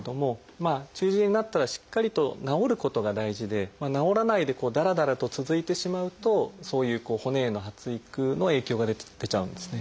まあ中耳炎になったらしっかりと治ることが大事で治らないでだらだらと続いてしまうとそういう骨への発育の影響が出ちゃうんですね。